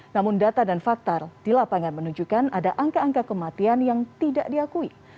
namun data dan fakta di lapangan menunjukkan ada angka angka kematian yang tidak diakui